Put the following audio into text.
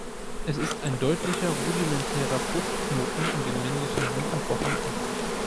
Es ist ein deutlicher rudimentärer Fruchtknoten in den männlichen Blüten vorhanden.